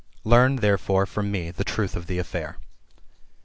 Learn, therefore, from me, the truth of the afiair.